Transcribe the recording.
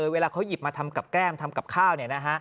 เวลาเขาหยิบมาทำกับแก้มทำกับข้าว